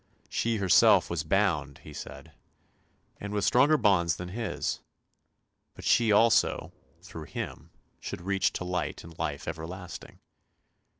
She herself was bound, he said, and with stronger bonds than his; but she also, through him, should reach to light and life everlasting.